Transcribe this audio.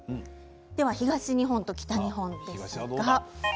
では東日本と北日本です。